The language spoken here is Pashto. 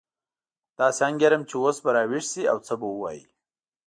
داسې انګېرم چې اوس به راویښ شي او څه به ووایي.